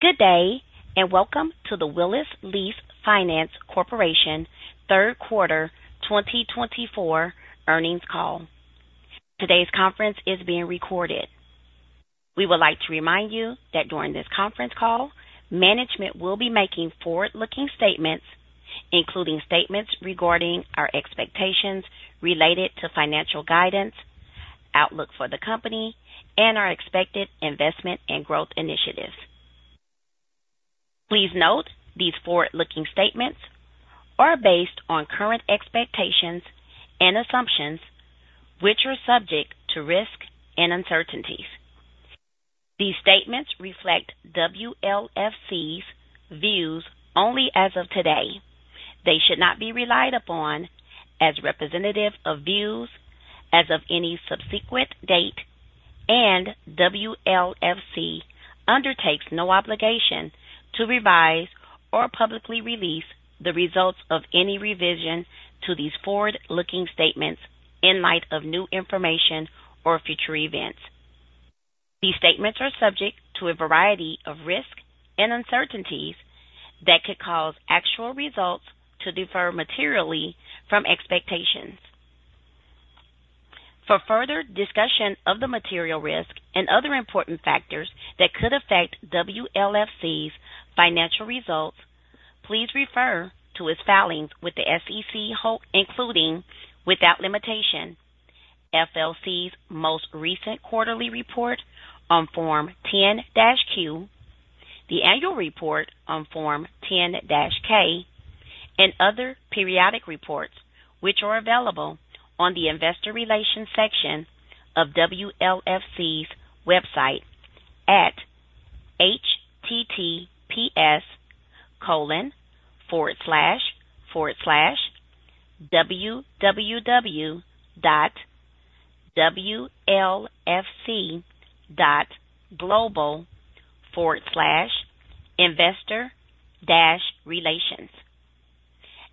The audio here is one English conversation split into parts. Good day, and welcome to the Willis Lease Finance Corporation third quarter 2024 earnings call. Today's conference is being recorded. We would like to remind you that during this conference call, management will be making forward-looking statements, including statements regarding our expectations related to financial guidance, outlook for the company, and our expected investment and growth initiatives. Please note these forward-looking statements are based on current expectations and assumptions, which are subject to risk and uncertainties. These statements reflect WLFC's views only as of today. They should not be relied upon as representative of views as of any subsequent date, and WLFC undertakes no obligation to revise or publicly release the results of any revision to these forward-looking statements in light of new information or future events. These statements are subject to a variety of risks and uncertainties that could cause actual results to differ materially from expectations. For further discussion of the material risks and other important factors that could affect WLFC's financial results, please refer to its filings with the SEC, including without limitation, WLFC's most recent quarterly report on Form 10-Q, the annual report on Form 10-K, and other periodic reports, which are available on the investor relations section of WLFC's website at https://wlfc.global/investor-relations.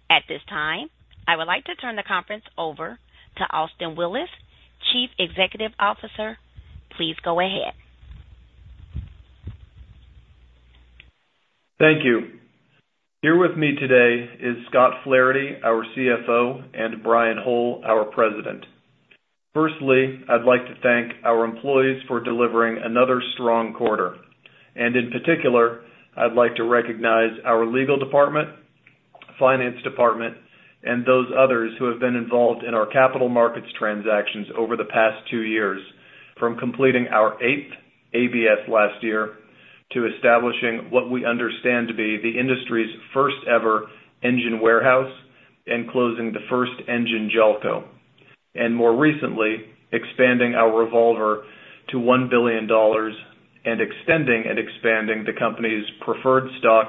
At this time, I would like to turn the conference over to Austin Willis, Chief Executive Officer. Please go ahead. Thank you. Here with me today is Scott Flaherty, our CFO, and Brian Hole, our president. Firstly, I'd like to thank our employees for delivering another strong quarter. And in particular, I'd like to recognize our legal department, finance department, and those others who have been involved in our capital markets transactions over the past two years, from completing our eighth ABS last year to establishing what we understand to be the industry's first-ever engine warehouse and closing the first engine JOLCO. And more recently, expanding our revolver to $1 billion and extending and expanding the company's preferred stock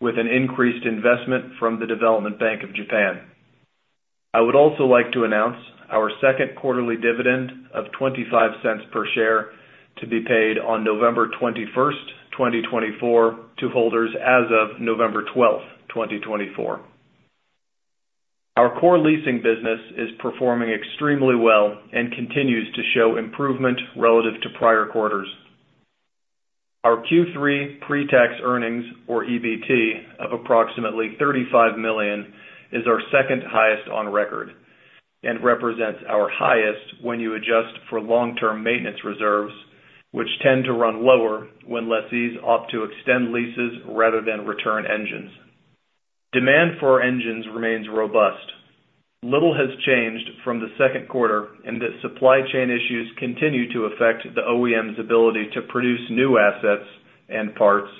with an increased investment from the Development Bank of Japan. I would also like to announce our second quarterly dividend of $0.25 per share to be paid on November 21st, 2024, to holders as of November 12th, 2024. Our core leasing business is performing extremely well and continues to show improvement relative to prior quarters. Our Q3 pre-tax earnings, or EBT, of approximately $35 million is our second highest on record and represents our highest when you adjust for long-term maintenance reserves, which tend to run lower when lessees opt to extend leases rather than return engines. Demand for engines remains robust. Little has changed from the second quarter in that supply chain issues continue to affect the OEM's ability to produce new assets and parts,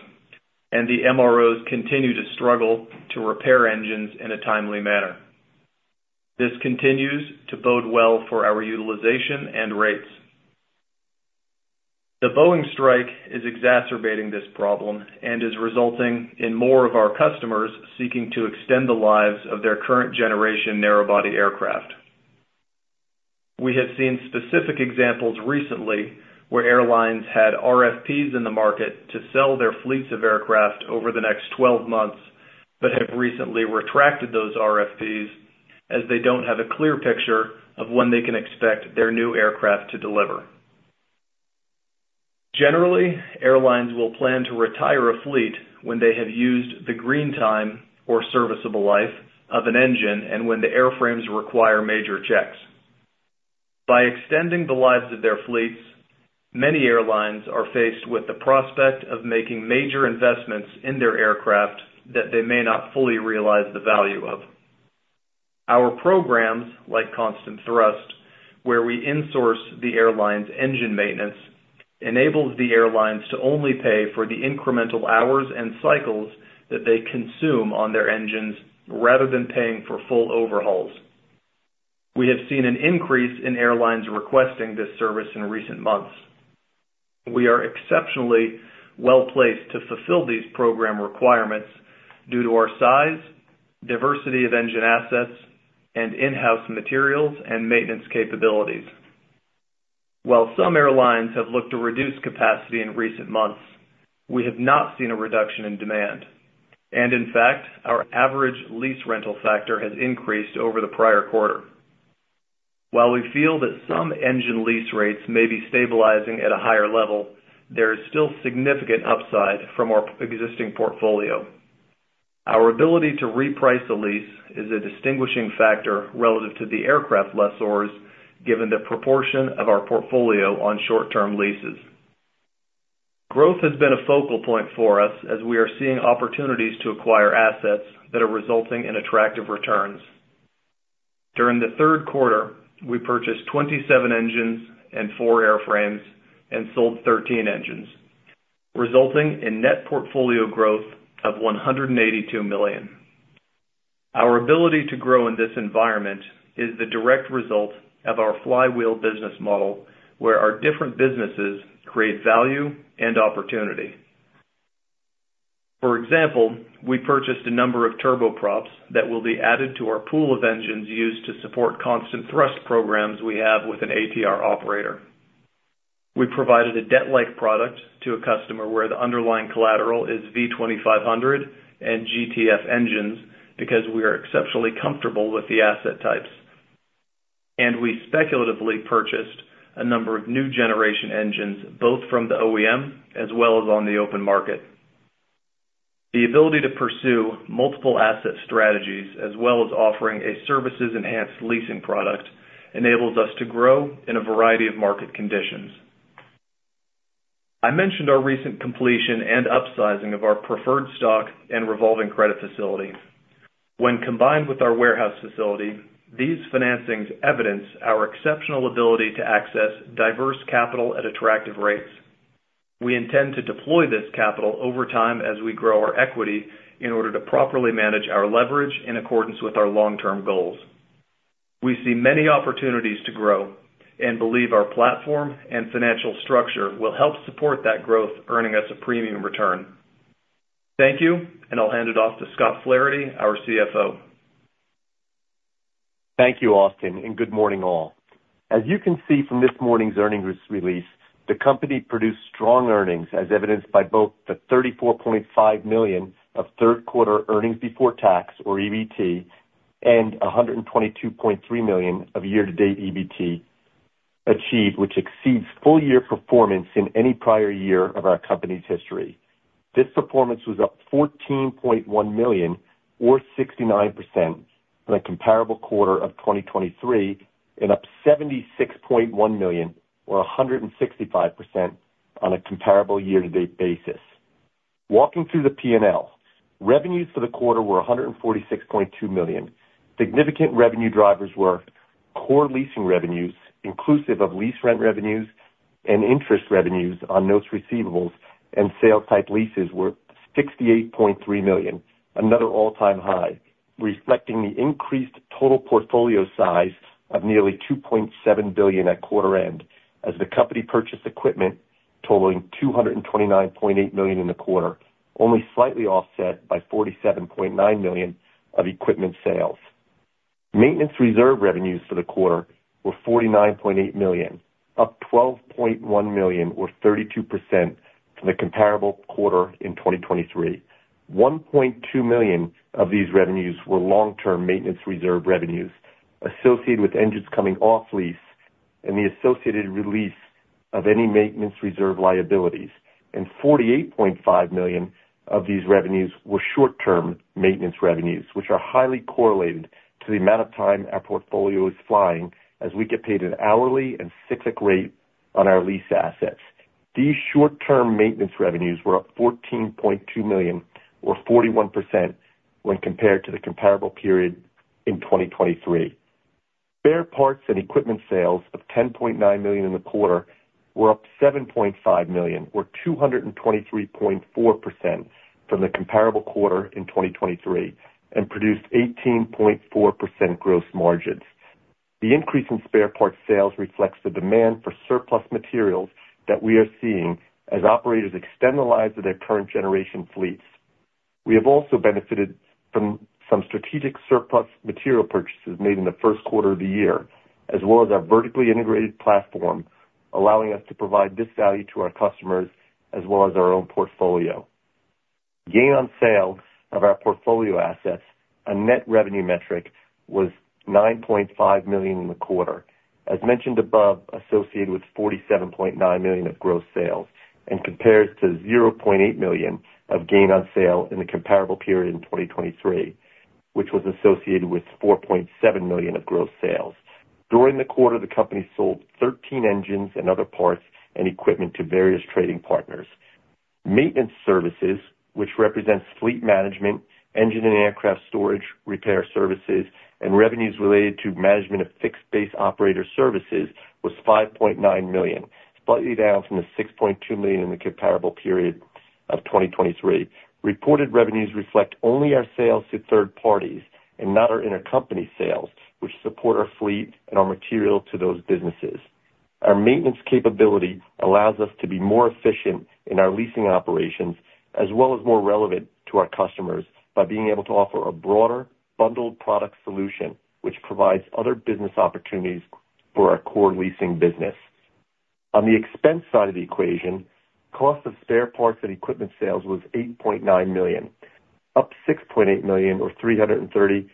and the MROs continue to struggle to repair engines in a timely manner. This continues to bode well for our utilization and rates. The Boeing strike is exacerbating this problem and is resulting in more of our customers seeking to extend the lives of their current generation narrowbody aircraft. We have seen specific examples recently where airlines had RFPs in the market to sell their fleets of aircraft over the next 12 months but have recently retracted those RFPs as they don't have a clear picture of when they can expect their new aircraft to deliver. Generally, airlines will plan to retire a fleet when they have used the green time or serviceable life of an engine and when the airframes require major checks. By extending the lives of their fleets, many airlines are faced with the prospect of making major investments in their aircraft that they may not fully realize the value of. Our programs, like ConstantThrust, where we insource the airlines' engine maintenance, enable the airlines to only pay for the incremental hours and cycles that they consume on their engines rather than paying for full overhauls. We have seen an increase in airlines requesting this service in recent months. We are exceptionally well-placed to fulfill these program requirements due to our size, diversity of engine assets, and in-house materials and maintenance capabilities. While some airlines have looked to reduce capacity in recent months, we have not seen a reduction in demand, and in fact, our average lease rental factor has increased over the prior quarter. While we feel that some engine lease rates may be stabilizing at a higher level, there is still significant upside from our existing portfolio. Our ability to reprice a lease is a distinguishing factor relative to the aircraft lessors given the proportion of our portfolio on short-term leases. Growth has been a focal point for us as we are seeing opportunities to acquire assets that are resulting in attractive returns. During the third quarter, we purchased 27 engines and four airframes and sold 13 engines, resulting in net portfolio growth of $182 million. Our ability to grow in this environment is the direct result of our flywheel business model, where our different businesses create value and opportunity. For example, we purchased a number of turboprops that will be added to our pool of engines used to support ConstantThrust programs we have with an ATR operator. We provided a debt-like product to a customer where the underlying collateral is V2500 and GTF engines because we are exceptionally comfortable with the asset types, and we speculatively purchased a number of new generation engines both from the OEM as well as on the open market. The ability to pursue multiple asset strategies as well as offering a services-enhanced leasing product enables us to grow in a variety of market conditions. I mentioned our recent completion and upsizing of our preferred stock and revolving credit facility. When combined with our warehouse facility, these financings evidence our exceptional ability to access diverse capital at attractive rates. We intend to deploy this capital over time as we grow our equity in order to properly manage our leverage in accordance with our long-term goals. We see many opportunities to grow and believe our platform and financial structure will help support that growth, earning us a premium return. Thank you, and I'll hand it off to Scott Flaherty, our CFO. Thank you, Austin, and good morning all. As you can see from this morning's earnings release, the company produced strong earnings as evidenced by both the $34.5 million of third quarter earnings before tax, or EBT, and $122.3 million of year-to-date EBT achieved, which exceeds full-year performance in any prior year of our company's history. This performance was up $14.1 million, or 69%, on a comparable quarter of 2023, and up $76.1 million, or 165%, on a comparable year-to-date basis. Walking through the P&L, revenues for the quarter were $146.2 million. Significant revenue drivers were core leasing revenues, inclusive of lease rent revenues and interest revenues on notes receivables and sales-type leases, were $68.3 million, another all-time high, reflecting the increased total portfolio size of nearly $2.7 billion at quarter-end as the company purchased equipment totaling $229.8 million in the quarter, only slightly offset by $47.9 million of equipment sales. Maintenance reserve revenues for the quarter were $49.8 million, up $12.1 million, or 32%, from the comparable quarter in 2023. $1.2 million of these revenues were long-term maintenance reserve revenues associated with engines coming off lease and the associated release of any maintenance reserve liabilities. 48.5 million of these revenues were short-term maintenance revenues, which are highly correlated to the amount of time our portfolio is flying as we get paid an hourly and cyclic rate on our lease assets. These short-term maintenance revenues were up $14.2 million, or 41%, when compared to the comparable period in 2023. Spare parts and equipment sales of $10.9 million in the quarter were up $7.5 million, or 223.4%, from the comparable quarter in 2023, and produced 18.4% gross margins. The increase in spare parts sales reflects the demand for surplus materials that we are seeing as operators extend the lives of their current generation fleets. We have also benefited from some strategic surplus material purchases made in the first quarter of the year, as well as our vertically integrated platform allowing us to provide this value to our customers as well as our own portfolio. Gain on sale of our portfolio assets, a net revenue metric, was $9.5 million in the quarter, as mentioned above, associated with $47.9 million of gross sales and compares to $0.8 million of gain on sale in the comparable period in 2023, which was associated with $4.7 million of gross sales. During the quarter, the company sold 13 engines and other parts and equipment to various trading partners. Maintenance services, which represents fleet management, engine and aircraft storage, repair services, and revenues related to management of fixed base operator services, was $5.9 million, slightly down from the $6.2 million in the comparable period of 2023. Reported revenues reflect only our sales to third parties and not our intercompany sales, which support our fleet and our material to those businesses. Our maintenance capability allows us to be more efficient in our leasing operations as well as more relevant to our customers by being able to offer a broader bundled product solution, which provides other business opportunities for our core leasing business. On the expense side of the equation, cost of spare parts and equipment sales was $8.9 million, up $6.8 million, or 337.9%,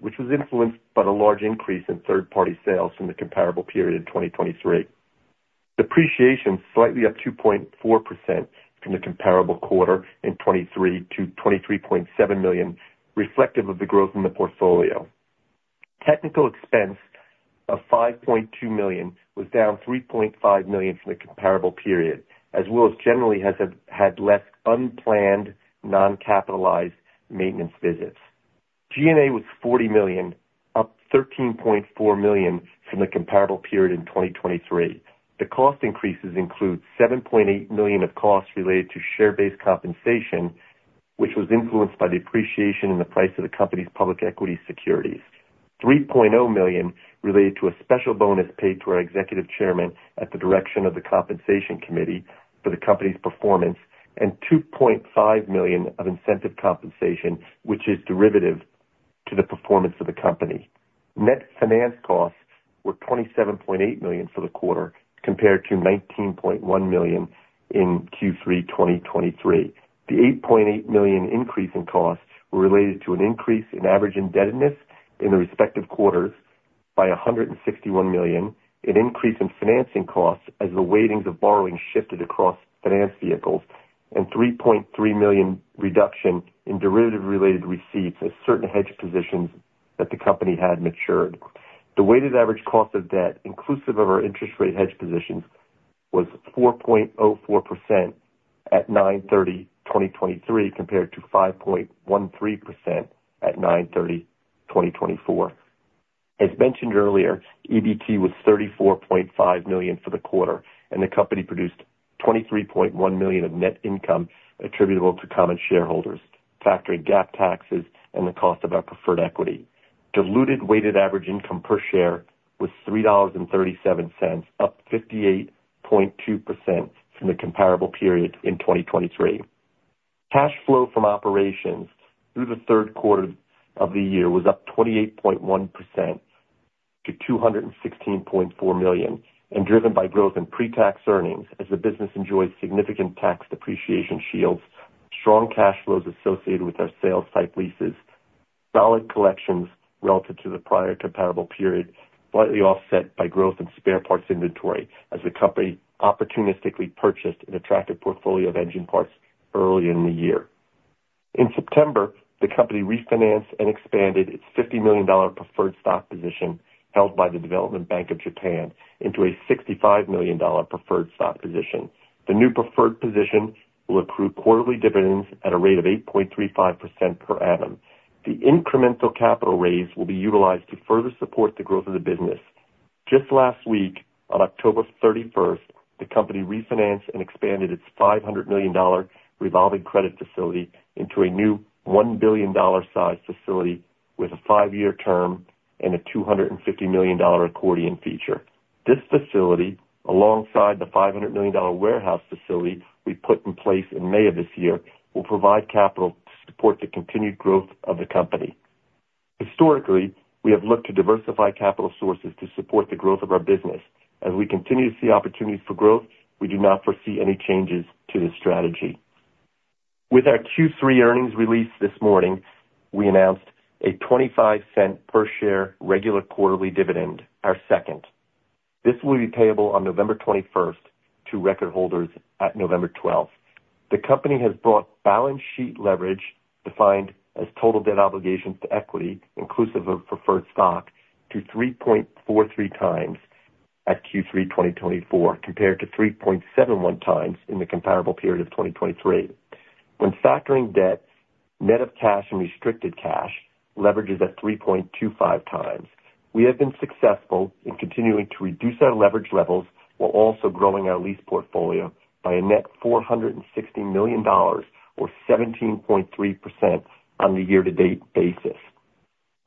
which was influenced by the large increase in third-party sales from the comparable period in 2023. Depreciation slightly up 2.4% from the comparable quarter in 2023 to $23.7 million, reflective of the growth in the portfolio. Technical expense of $5.2 million was down $3.5 million from the comparable period, as Willis generally has had less unplanned non-capitalized maintenance visits. G&A was $40 million, up $13.4 million from the comparable period in 2023. The cost increases include $7.8 million of costs related to share-based compensation, which was influenced by depreciation in the price of the company's public equity securities, $3.0 million related to a special bonus paid to our executive chairman at the direction of the compensation committee for the company's performance, and $2.5 million of incentive compensation, which is derivative to the performance of the company. Net finance costs were $27.8 million for the quarter compared to $19.1 million in Q3 2023. The $8.8 million increase in costs was related to an increase in average indebtedness in the respective quarters by $161 million, an increase in financing costs as the weightings of borrowing shifted across finance vehicles, and $3.3 million reduction in derivative-related receipts as certain hedge positions that the company had matured. The weighted average cost of debt, inclusive of our interest rate hedge positions, was 4.04% at 9/30/2023 compared to 5.13% at 9/30/2024. As mentioned earlier, EBT was $34.5 million for the quarter, and the company produced $23.1 million of net income attributable to common shareholders, factoring GAAP taxes and the cost of our preferred equity. Diluted weighted average income per share was $3.37, up 58.2% from the comparable period in 2023. Cash flow from operations through the third quarter of the year was up 28.1% to $216.4 million, and driven by growth in pre-tax earnings as the business enjoys significant tax depreciation shields, strong cash flows associated with our sales-type leases, solid collections relative to the prior comparable period, slightly offset by growth in spare parts inventory as the company opportunistically purchased an attractive portfolio of engine parts earlier in the year. In September, the company refinanced and expanded its $50 million preferred stock position held by the Development Bank of Japan into a $65 million preferred stock position. The new preferred position will accrue quarterly dividends at a rate of 8.35% per annum. The incremental capital raise will be utilized to further support the growth of the business. Just last week, on October 31st, the company refinanced and expanded its $500 million revolving credit facility into a new $1 billion size facility with a five-year term and a $250 million accordion feature. This facility, alongside the $500 million warehouse facility we put in place in May of this year, will provide capital to support the continued growth of the company. Historically, we have looked to diversify capital sources to support the growth of our business. As we continue to see opportunities for growth, we do not foresee any changes to this strategy. With our Q3 earnings release this morning, we announced a $0.25 per share regular quarterly dividend, our second. This will be payable on November 21st to record holders at November 12th. The company has brought balance sheet leverage, defined as total debt obligations to equity, inclusive of preferred stock, to 3.43 times at Q3 2024, compared to 3.71 times in the comparable period of 2023. When factoring debt, net of cash and restricted cash, leverage is at 3.25 times. We have been successful in continuing to reduce our leverage levels while also growing our lease portfolio by a net $460 million, or 17.3%, on the year-to-date basis.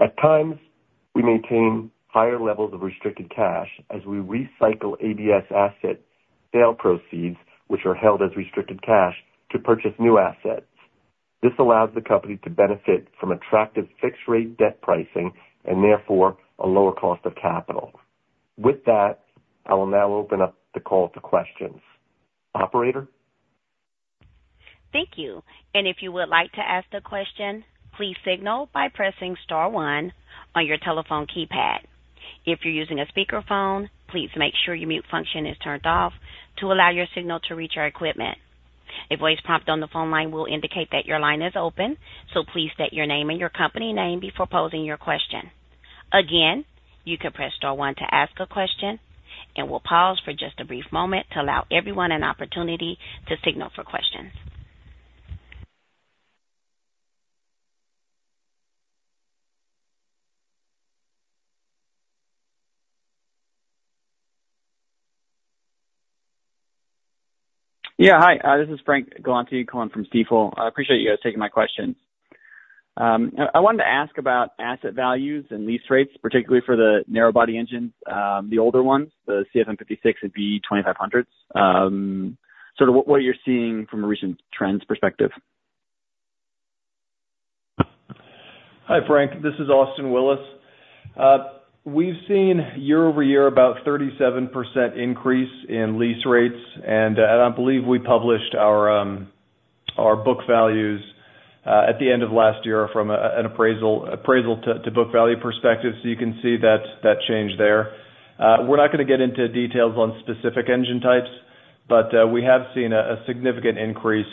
At times, we maintain higher levels of restricted cash as we recycle ABS asset sale proceeds, which are held as restricted cash, to purchase new assets. This allows the company to benefit from attractive fixed-rate debt pricing and therefore a lower cost of capital. With that, I will now open up the call to questions. Operator? Thank you. And if you would like to ask a question, please signal by pressing star one on your telephone keypad. If you're using a speakerphone, please make sure your mute function is turned off to allow your signal to reach our equipment. A voice prompt on the phone line will indicate that your line is open, so please state your name and your company name before posing your question. Again, you can press star one to ask a question, and we'll pause for just a brief moment to allow everyone an opportunity to signal for questions. Yeah, hi. This is Frank Galanti calling from Stifel. I appreciate you guys taking my questions. I wanted to ask about asset values and lease rates, particularly for the narrowbody engines, the older ones, the CFM56 and V2500s, sort of what you're seeing from a recent trends perspective. Hi, Frank. This is Austin Willis. We've seen year-over-year about 37% increase in lease rates, and I believe we published our book values at the end of last year from an appraisal to book value perspective, so you can see that change there. We're not going to get into details on specific engine types, but we have seen a significant increase.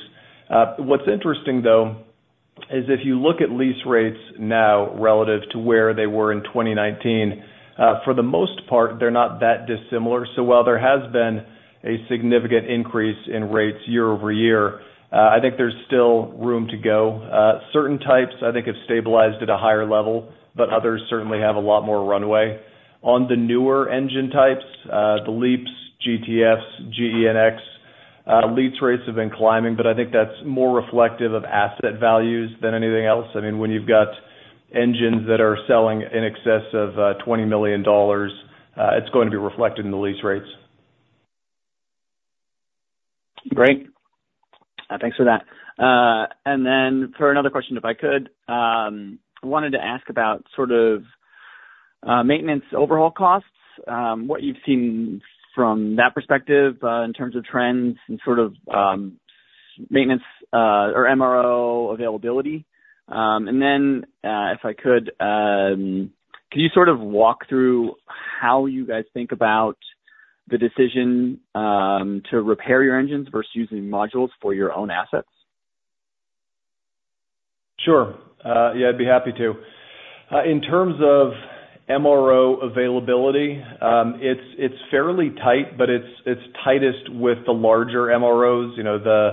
What's interesting, though, is if you look at lease rates now relative to where they were in 2019, for the most part, they're not that dissimilar. So while there has been a significant increase in rates year-over-year, I think there's still room to go. Certain types, I think, have stabilized at a higher level, but others certainly have a lot more runway. On the newer engine types, the LEAPs, GTFs, GEnx, lease rates have been climbing, but I think that's more reflective of asset values than anything else. I mean, when you've got engines that are selling in excess of $20 million, it's going to be reflected in the lease rates. Great. Thanks for that. And then for another question, if I could, I wanted to ask about sort of maintenance overhaul costs, what you've seen from that perspective in terms of trends and sort of maintenance or MRO availability? And then if I could, could you sort of walk through how you guys think about the decision to repair your engines versus using modules for your own assets? Sure. Yeah, I'd be happy to. In terms of MRO availability, it's fairly tight, but it's tightest with the larger MROs, the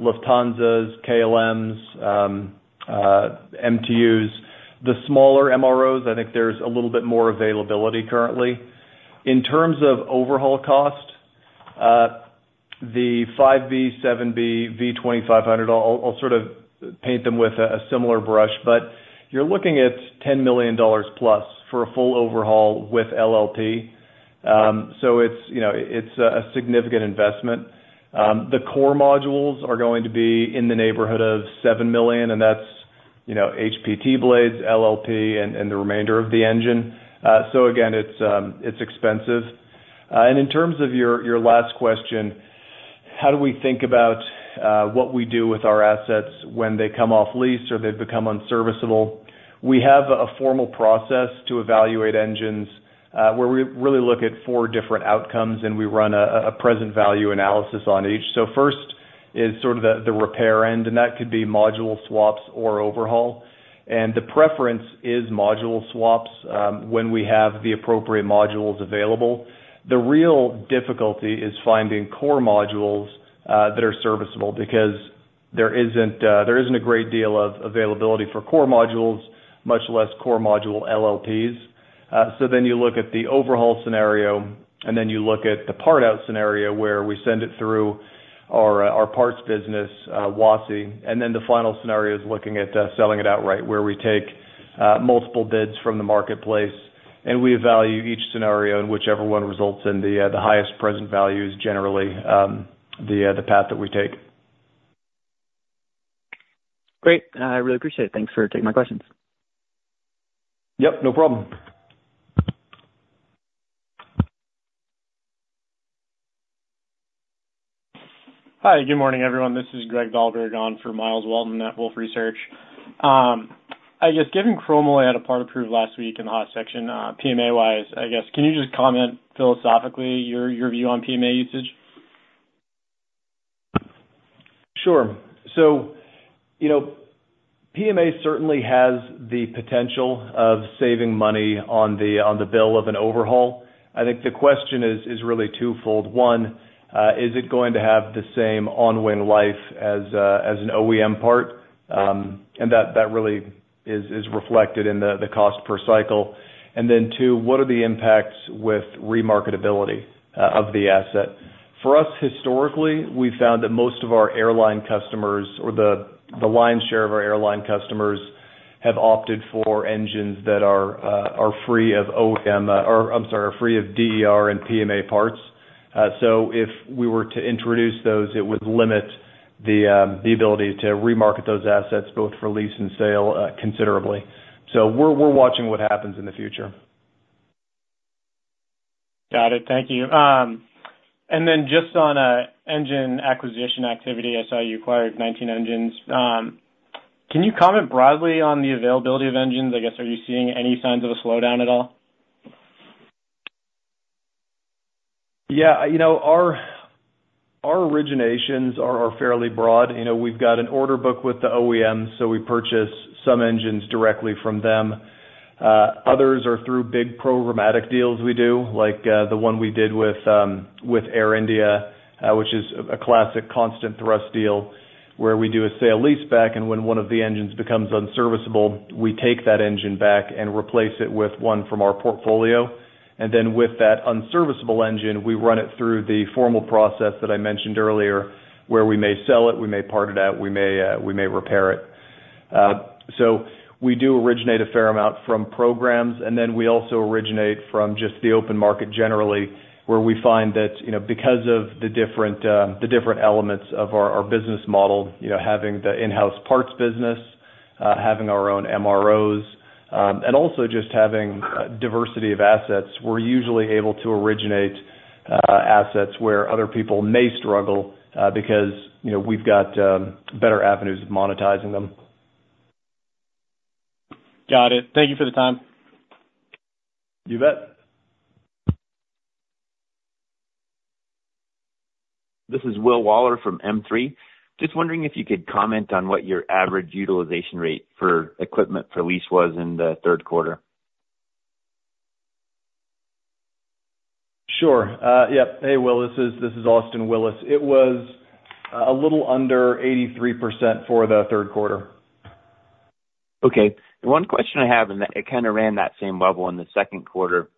Lufthansas, KLMs, MTUs. The smaller MROs, I think there's a little bit more availability currently. In terms of overhaul cost, the 5B, 7B, V2500, I'll sort of paint them with a similar brush, but you're looking at $10 million plus for a full overhaul with LLP. So it's a significant investment. The core modules are going to be in the neighborhood of $7 million, and that's HPT blades, LLP, and the remainder of the engine. So again, it's expensive. And in terms of your last question, how do we think about what we do with our assets when they come off lease or they become unserviceable? We have a formal process to evaluate engines where we really look at four different outcomes, and we run a present value analysis on each. So first is sort of the repair end, and that could be module swaps or overhaul. And the preference is module swaps when we have the appropriate modules available. The real difficulty is finding core modules that are serviceable because there isn't a great deal of availability for core modules, much less core module LLPs. So then you look at the overhaul scenario, and then you look at the part out scenario where we send it through our parts business, WASI. And then the final scenario is looking at selling it outright, where we take multiple bids from the marketplace, and we evaluate each scenario in whichever one results in the highest present values, generally the path that we take. Great. I really appreciate it. Thanks for taking my questions. Yep, no problem. Hi, good morning, everyone. This is Greg Dalberg on for Miles Walton at Wolfe Research. I guess given Chromalloy had a part approved last week in the hot section, PMA-wise, I guess, can you just comment philosophically your view on PMA usage? Sure. So PMA certainly has the potential of saving money on the bill of an overhaul. I think the question is really twofold. One, is it going to have the same on-wing life as an OEM part? And that really is reflected in the cost per cycle. And then two, what are the impacts with remarketability of the asset? For us, historically, we've found that most of our airline customers, or the lion's share of our airline customers, have opted for engines that are free of OEM or, I'm sorry, are free of DER and PMA parts. So if we were to introduce those, it would limit the ability to remarket those assets both for lease and sale considerably. So we're watching what happens in the future. Got it. Thank you. And then just on engine acquisition activity, I saw you acquired 19 engines. Can you comment broadly on the availability of engines? I guess, are you seeing any signs of a slowdown at all? Yeah. Our originations are fairly broad. We've got an order book with the OEMs, so we purchase some engines directly from them. Others are through big programmatic deals we do, like the one we did with Air India, which is a classic ConstantThrust deal where we do a sale-leaseback, and when one of the engines becomes unserviceable, we take that engine back and replace it with one from our portfolio. And then with that unserviceable engine, we run it through the formal process that I mentioned earlier, where we may sell it, we may part it out, we may repair it. So we do originate a fair amount from programs, and then we also originate from just the open market generally, where we find that because of the different elements of our business model, having the in-house parts business, having our own MROs, and also just having diversity of assets, we're usually able to originate assets where other people may struggle because we've got better avenues of monetizing them. Got it. Thank you for the time. You bet. This is Will Waller from M3. Just wondering if you could comment on what your average utilization rate for equipment for lease was in the third quarter. Sure. Yep. Hey, Will, this is Austin Willis. It was a little under 83% for the third quarter. Okay. One question I have, and it kind of ran that same level in the second quarter.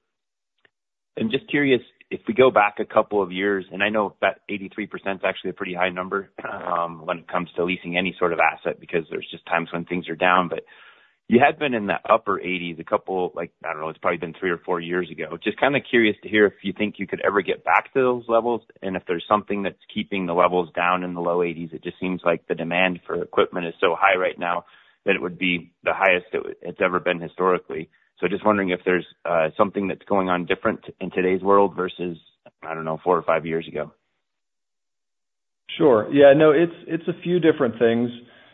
I'm just curious if we go back a couple of years, and I know that 83% is actually a pretty high number when it comes to leasing any sort of asset because there's just times when things are down, but you had been in the upper 80s a couple, I don't know, it's probably been three or four years ago. Just kind of curious to hear if you think you could ever get back to those levels, and if there's something that's keeping the levels down in the low 80s. It just seems like the demand for equipment is so high right now that it would be the highest it's ever been historically. So just wondering if there's something that's going on different in today's world versus, I don't know, four or five years ago? Sure. Yeah. No, it's a few different things.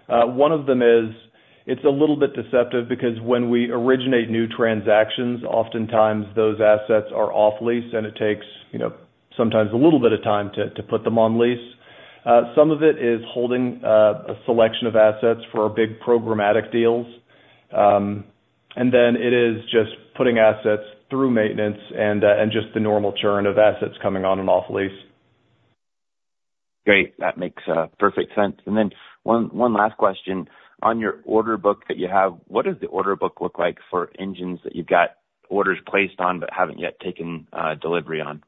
One of them is it's a little bit deceptive because when we originate new transactions, oftentimes those assets are off-lease, and it takes sometimes a little bit of time to put them on lease. Some of it is holding a selection of assets for our big programmatic deals, and then it is just putting assets through maintenance and just the normal churn of assets coming on and off-lease. Great. That makes perfect sense. And then one last question. On your order book that you have, what does the order book look like for engines that you've got orders placed on but haven't yet taken delivery on?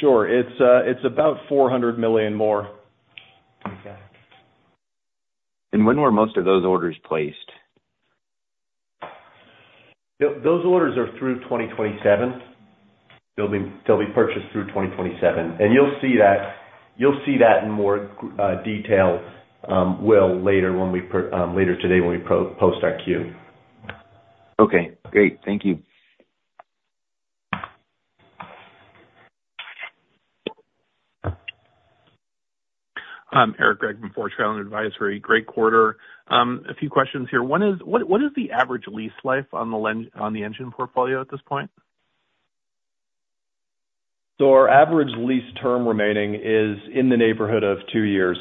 Sure. It's about $400 million more. Okay. And when were most of those orders placed? Those orders are through 2027. They'll be purchased through 2027. And you'll see that in more detail, Will, later today when we post our Q. Okay. Great. Thank you. I'm Eric Gregg from Four Tree Island Advisory. A few questions here. What is the average lease life on the engine portfolio at this point? Our average lease term remaining is in the neighborhood of two years.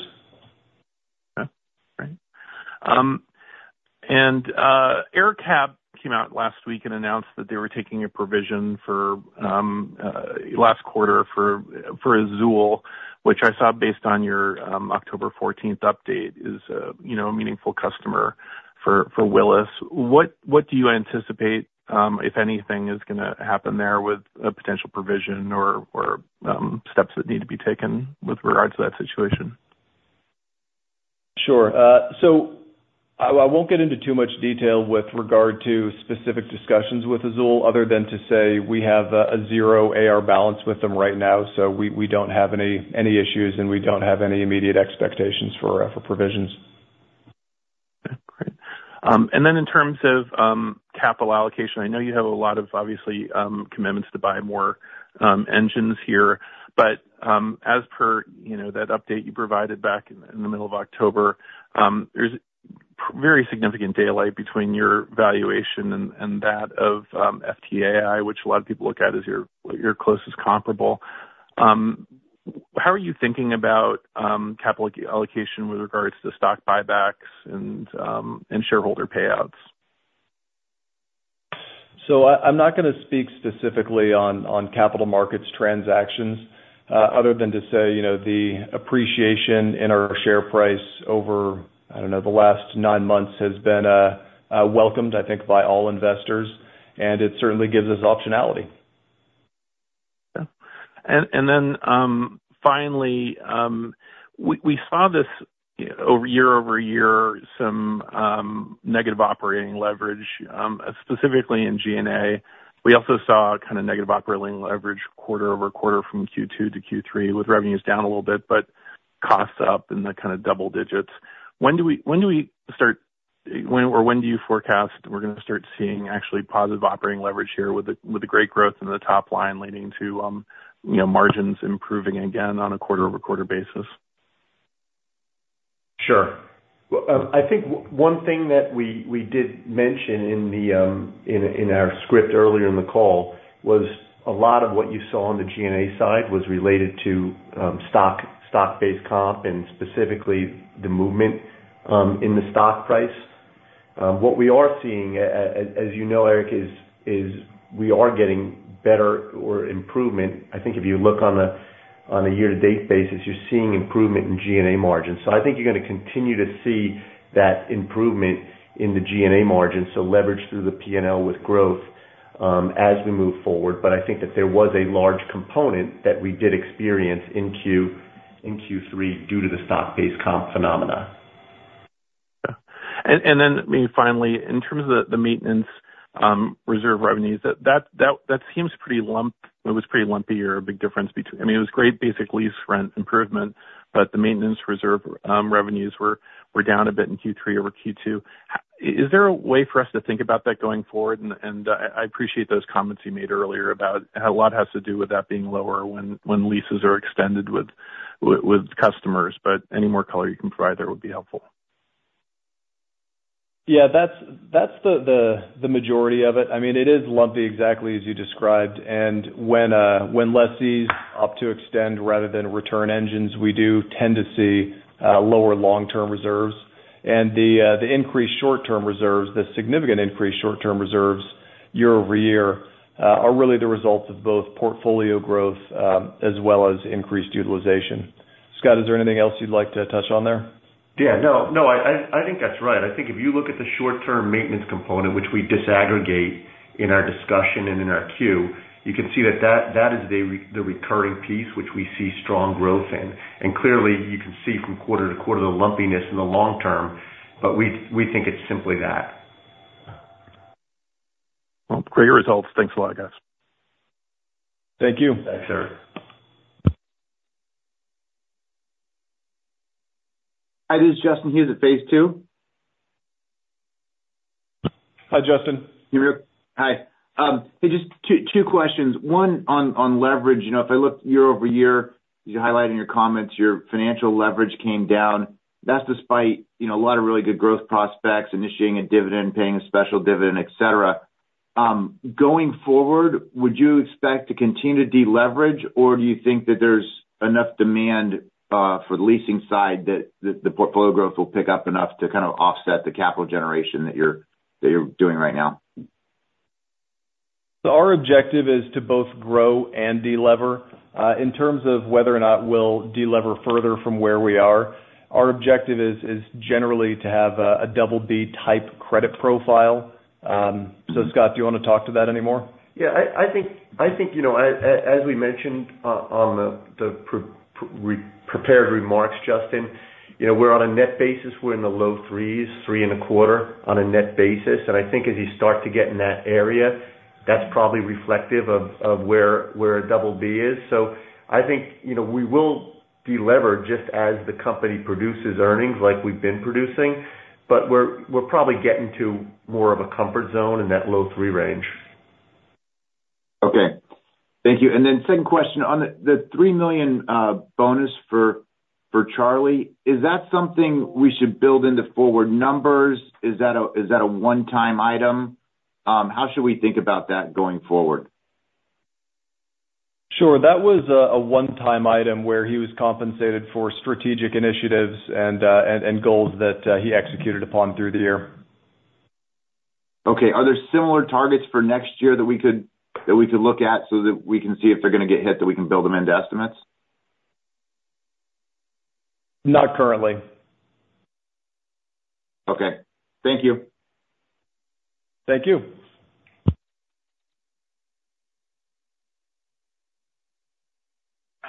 Okay. All right. And AerCap came out last week and announced that they were taking a provision for last quarter for Azul, which I saw based on your October 14th update is a meaningful customer for Willis. What do you anticipate, if anything, is going to happen there with a potential provision or steps that need to be taken with regards to that situation? Sure. So I won't get into too much detail with regard to specific discussions with Azul other than to say we have a zero AR balance with them right now, so we don't have any issues, and we don't have any immediate expectations for provisions. Okay. Great. And then in terms of capital allocation, I know you have a lot of, obviously, commitments to buy more engines here, but as per that update you provided back in the middle of October, there's very significant daylight between your valuation and that of FTAI, which a lot of people look at as your closest comparable. How are you thinking about capital allocation with regards to stock buybacks and shareholder payouts? So, I'm not going to speak specifically on capital markets transactions other than to say the appreciation in our share price over, I don't know, the last nine months has been welcomed, I think, by all investors, and it certainly gives us optionality. Okay. And then finally, we saw this year-over-year, some negative operating leverage, specifically in G&A. We also saw kind of negative operating leverage quarter-over-quarter from Q2 to Q3 with revenues down a little bit, but costs up in the kind of double digits. When do we start, or when do you forecast we're going to start seeing actually positive operating leverage here with the great growth in the top line leading to margins improving again on a quarter-over-quarter basis? Sure. I think one thing that we did mention in our script earlier in the call was a lot of what you saw on the G&A side was related to stock-based comp and specifically the movement in the stock price. What we are seeing, as you know, Eric, is we are getting better or improvement. I think if you look on a year-to-date basis, you're seeing improvement in G&A margins. So I think you're going to continue to see that improvement in the G&A margins, so leverage through the P&L with growth as we move forward. But I think that there was a large component that we did experience in Q3 due to the stock-based comp phenomenon. Okay. And then finally, in terms of the maintenance reserve revenues, that seems pretty lumpy. It was pretty lumpy or a big difference between, I mean, it was great basic lease rent improvement, but the maintenance reserve revenues were down a bit in Q3 over Q2. Is there a way for us to think about that going forward? And I appreciate those comments you made earlier about how a lot has to do with that being lower when leases are extended with customers, but any more color you can provide there would be helpful. Yeah. That's the majority of it. I mean, it is lumpy exactly as you described. And when lessees opt to extend rather than return engines, we do tend to see lower long-term reserves. And the increased short-term reserves, the significant increased short-term reserves year-over-year are really the result of both portfolio growth as well as increased utilization. Scott, is there anything else you'd like to touch on there? Yeah. No, no. I think that's right. I think if you look at the short-term maintenance component, which we disaggregate in our discussion and in our Q, you can see that that is the recurring piece which we see strong growth in. And clearly, you can see from quarter to quarter the lumpiness in the long term, but we think it's simply that. Great results. Thanks a lot, guys. Thank you. Thanks, Eric. Hi, this is Justin Hughes at Phase 2. Hi, Justin. Hi. Hey, just two questions. One on leverage. If I look year-over-year, as you highlighted in your comments, your financial leverage came down. That's despite a lot of really good growth prospects, initiating a dividend, paying a special dividend, etc. Going forward, would you expect to continue to deleverage, or do you think that there's enough demand for the leasing side that the portfolio growth will pick up enough to kind of offset the capital generation that you're doing right now? Our objective is to both grow and delever. In terms of whether or not we'll delever further from where we are, our objective is generally to have a double B type credit profile. So Scott, do you want to talk to that anymore? Yeah. I think, as we mentioned on the prepared remarks, Justin, we're on a net basis. We're in the low threes, three and a quarter on a net basis. I think as you start to get in that area, that's probably reflective of where a double B is. I think we will delever just as the company produces earnings like we've been producing, but we're probably getting to more of a comfort zone in that low three range. Okay. Thank you. And then second question on the $3 million bonus for Charlie, is that something we should build into forward numbers? Is that a one-time item? How should we think about that going forward? Sure. That was a one-time item where he was compensated for strategic initiatives and goals that he executed upon through the year. Okay. Are there similar targets for next year that we could look at so that we can see if they're going to get hit that we can build them into estimates? Not currently. Okay. Thank you. Thank you.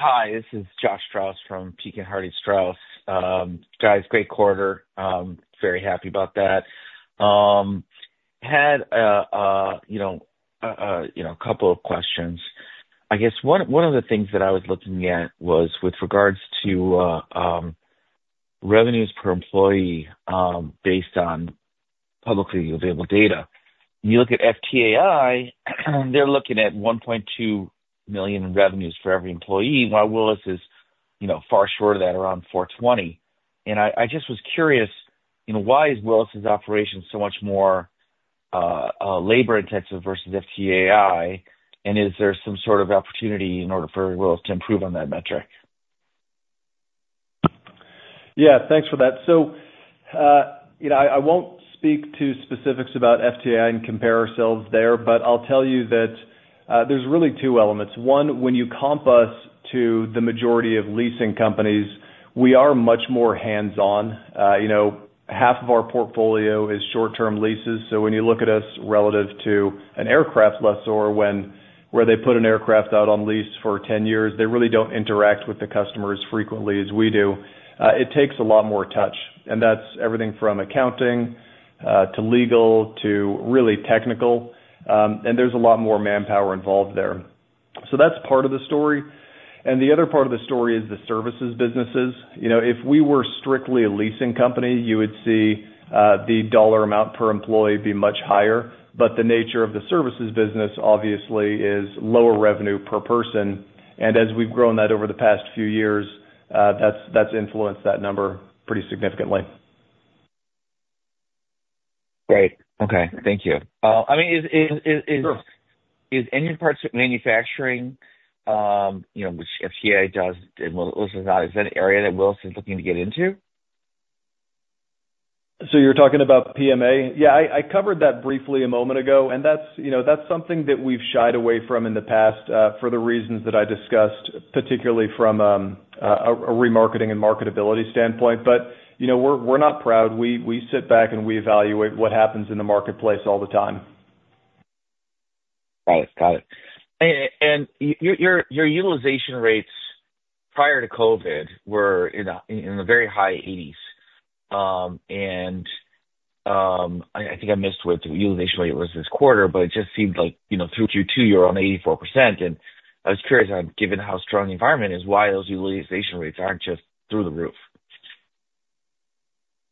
Hi. This is Josh Strauss from Pekin Hardy Strauss. Guys, great quarter. Very happy about that. Had a couple of questions. I guess one of the things that I was looking at was with regards to revenues per employee based on publicly available data. You look at FTAI, they're looking at $1.2 million in revenues for every employee. While Willis is far short of that, around $420,000. And I just was curious, why is Willis's operation so much more labor-intensive versus FTAI, and is there some sort of opportunity in order for Willis to improve on that metric? Yeah. Thanks for that. So I won't speak to specifics about FTAI and compare ourselves there, but I'll tell you that there's really two elements. One, when you comp us to the majority of leasing companies, we are much more hands-on. Half of our portfolio is short-term leases. So when you look at us relative to an aircraft lessor where they put an aircraft out on lease for 10 years, they really don't interact with the customers frequently as we do. It takes a lot more touch. And that's everything from accounting to legal to really technical. And there's a lot more manpower involved there. So that's part of the story. And the other part of the story is the services businesses. If we were strictly a leasing company, you would see the dollar amount per employee be much higher, but the nature of the services business obviously is lower revenue per person. And as we've grown that over the past few years, that's influenced that number pretty significantly. Great. Okay. Thank you. I mean, is any parts of manufacturing, which FTAI does and Willis is not, is that an area that Willis is looking to get into? So you're talking about PMA? Yeah. I covered that briefly a moment ago, and that's something that we've shied away from in the past for the reasons that I discussed, particularly from a remarketing and marketability standpoint. But we're not proud. We sit back and we evaluate what happens in the marketplace all the time. Got it. Got it. And your utilization rates prior to COVID were in the very high 80s%. And I think I missed what utilization rate was this quarter, but it just seemed like through Q2, you're on 84%. And I was curious, given how strong the environment is, why those utilization rates aren't just through the roof?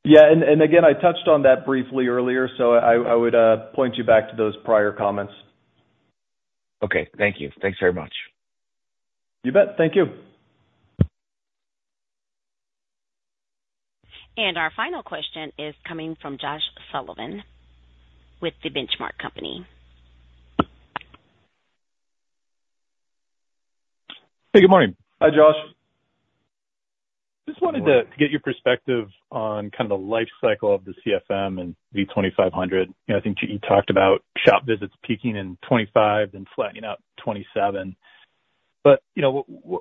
Yeah. And again, I touched on that briefly earlier, so I would point you back to those prior comments. Okay. Thank you. Thanks very much. You bet. Thank you. And our final question is coming from Josh Sullivan with The Benchmark Company. Hey, good morning. Hi, Josh. Just wanted to get your perspective on kind of the life cycle of the CFM and V2500. I think you talked about shop visits peaking in 2025, then flattening out 2027. But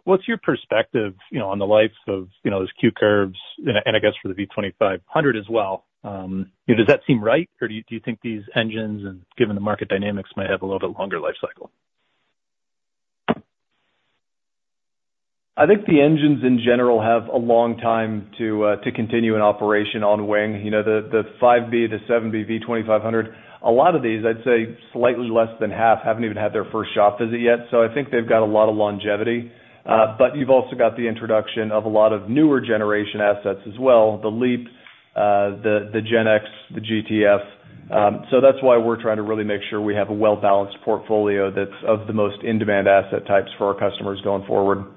what's your perspective on the life of those queue curves? And I guess for the V2500 as well, does that seem right, or do you think these engines, given the market dynamics, might have a little bit longer life cycle? I think the engines in general have a long time to continue an operation on wing. The 5B, the 7B, V2500, a lot of these, I'd say slightly less than half haven't even had their first shop visit yet. So I think they've got a lot of longevity. But you've also got the introduction of a lot of newer generation assets as well, the LEAP, the GEnx, the GTF. So that's why we're trying to really make sure we have a well-balanced portfolio that's of the most in-demand asset types for our customers going forward.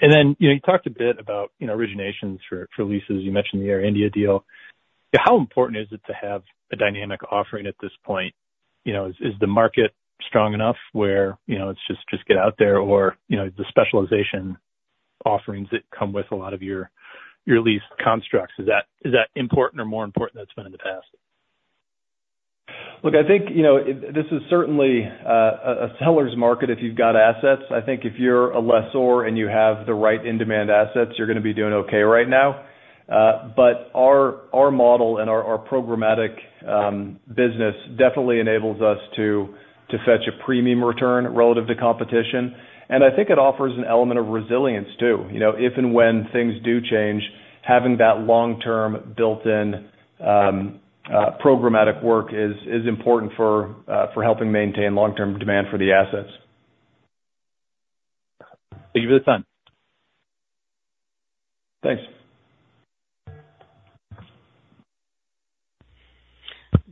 Then you talked a bit about originations for leases. You mentioned the Air India deal. How important is it to have a dynamic offering at this point? Is the market strong enough where it's just get out there, or the specialization offerings that come with a lot of your lease constructs, is that important or more important than it's been in the past? Look, I think this is certainly a seller's market if you've got assets. I think if you're a lessor and you have the right in-demand assets, you're going to be doing okay right now. But our model and our programmatic business definitely enables us to fetch a premium return relative to competition. And I think it offers an element of resilience too. If and when things do change, having that long-term built-in programmatic work is important for helping maintain long-term demand for the assets. Thank you for the time. Thanks.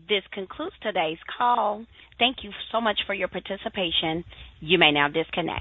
This concludes today's call. Thank you so much for your participation. You may now disconnect.